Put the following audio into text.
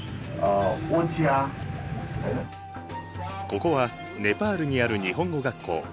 ここはネパールにある日本語学校。